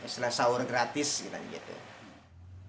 setelah sahur gratis gitu gitu